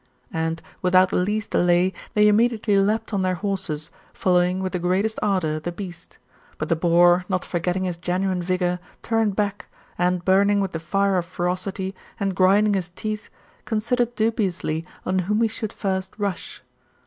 And, without the least delay, they immediately leaped on their horses, following, with the greatest ardour, the beast. But the boar, not forgetting' His genuine vigour, turned back, and burning with the fi^ of ferocity, and grinding his teeth, considered dubiously on whom he should first rush.